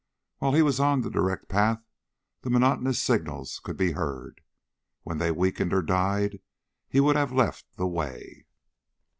While he was on the direct path the monotonous signals could be heard. When they weakened or died he would have left the way.